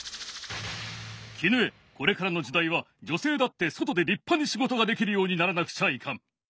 絹枝これからの時代は女性だって外で立派に仕事ができるようにならなくちゃいかん。